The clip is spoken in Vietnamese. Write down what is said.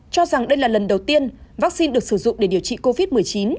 cho rằng đây là lần đầu tiên vaccine được sử dụng để điều trị covid một mươi chín